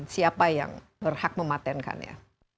siapa yang berhak mematenkannya